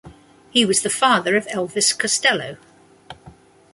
He was the father of Elvis Costello.